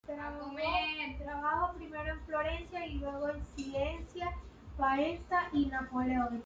Trabajó primero en Florencia y luego en Siena, Faenza y Nápoles.